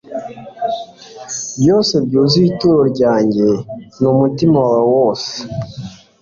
Byose byuzuye ituro ryanjye n'umutima wawe wose